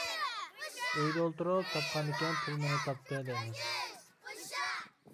ئۆيدە ئولتۇرۇپ تاپقاندىكىن «پۇل مېنى تاپتى» دەيمىز.